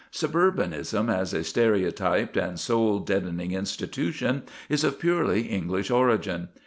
Suburbanism as a stereotyped and soul deadening institution is of purely English origin.